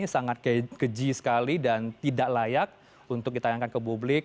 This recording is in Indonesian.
sangat keji sekali dan tidak layak untuk ditayangkan ke publik